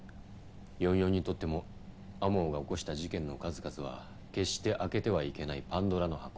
４４にとっても天羽が起こした事件の数々は決して開けてはいけないパンドラの箱。